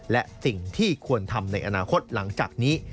และสิ่งที่ควรทำในอนาคตหลังจากนี้